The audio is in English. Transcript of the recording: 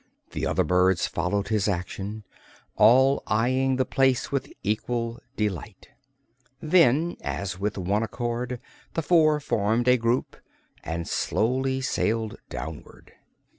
The other birds followed his action, all eyeing the place with equal delight. Then, as with one accord, the four formed a group and slowly sailed downward.